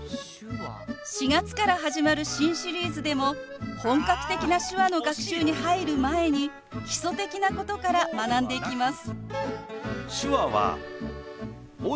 ４月から始まる新シリーズでも本格的な手話の学習に入る前に基礎的なことから学んでいきます。